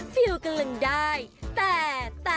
ฟิวก็ลงได้แต่